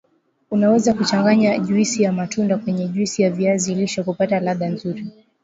unaweza changanya juisi ya matunda kwenye juisi ya viazi lishe kupata ladha nzuri